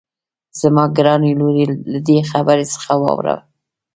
زما ګرانې لورې له دې خبرې څخه واوړه.